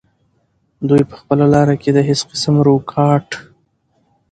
دوي پۀ خپله لاره کښې د هيڅ قسم رکاوټ